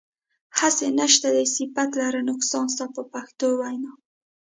هسې نشته دی صفت لره نقصان ستا په پښتو وینا.